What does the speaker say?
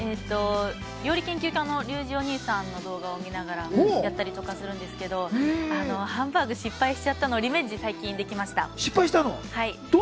料理研究家のリュウジおにいさんの動画を見たりしながら作るんですけど、ハンバーグ失敗しちゃったのを最近リベンジしました。